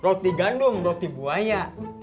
roti gandum roti buaya